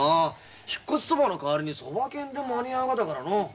引っ越しそばの代わりにそば券で間に合うがだからのう。